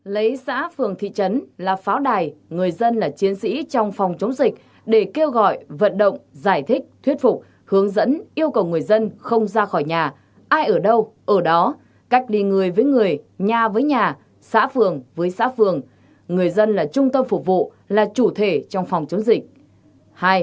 một lấy xã phường thị trấn là pháo đài người dân là chiến sĩ trong phòng chống dịch để kêu gọi vận động giải thích thuyết phục hướng dẫn yêu cầu người dân không ra khỏi nhà ai ở đâu ở đó cách đi người với người nhà với nhà xã phường với xã phường người dân là trung tâm phục vụ là chủ thể trong phòng chống dịch